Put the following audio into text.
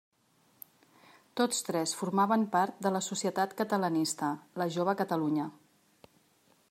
Tots tres formaven part de la societat catalanista, La Jove Catalunya.